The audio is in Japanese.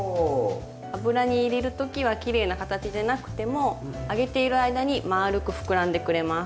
油に入れる時はきれいな形でなくても揚げている間にまあるくふくらんでくれます。